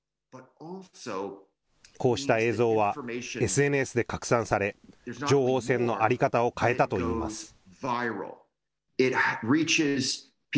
こうした映像はＳＮＳで拡散され情報戦の在り方を変えたといいます。